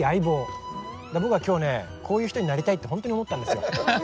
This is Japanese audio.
僕は今日ねこういう人になりたいってほんとに思ったんですよ。